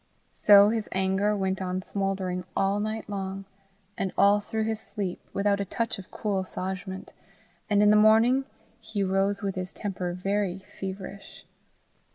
So his anger went on smouldering all night long, and all through his sleep, without a touch of cool assuagement, and in the morning he rose with his temper very feverish.